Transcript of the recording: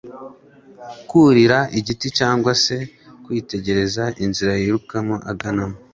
kwurira igiti cyangwa se kwitegereza inzira yiruka iganamo